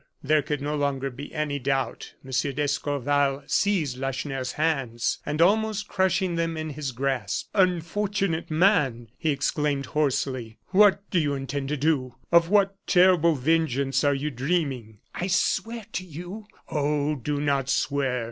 There could no longer be any doubt. M. d'Escorval seized Lacheneur's hands, and almost crushing them in his grasp: "Unfortunate man!" he exclaimed, hoarsely, "what do you intend to do? Of what terrible vengeance are you dreaming?" "I swear to you " "Oh! do not swear.